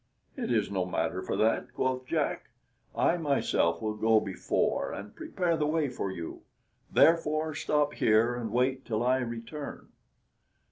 "It is no matter for that," quoth Jack; "I myself will go before and prepare the way for you; therefore stop here and wait till I return."